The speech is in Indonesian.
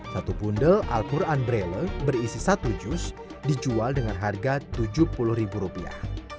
satu bundel al quran braille berisi satu jus dijual dengan harga rp satu juta